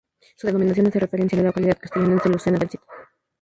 Su denominación hace referencia a la localidad castellonense de "Lucena del Cid".